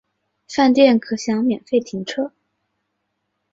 饭店可享免费停车